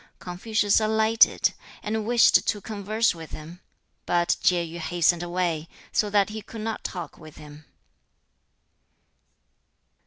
2. Confucius alighted and wished to converse with him, but Chieh yu hastened away, so that he could not talk with him.